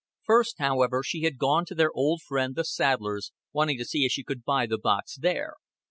First, however, she had gone to their old friend the saddler's, wanting to see if she could buy the box there.